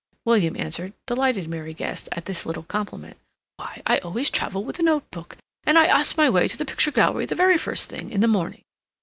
William answered, delighted, Mary guessed, at this little compliment. "Why, I always travel with a notebook. And I ask my way to the picture gallery the very first thing in the morning.